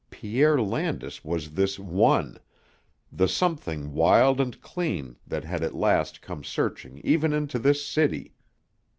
Pierre Landis was this "one," the something wild and clean that had at last come searching even into this city.